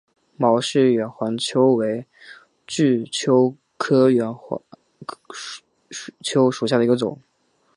毛氏远环蚓为巨蚓科远环蚓属下的一个种。